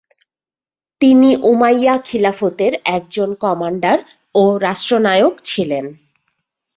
তিনি উমাইয়া খিলাফতের একজন কমান্ডার ও রাষ্ট্রনায়ক ছিলেন।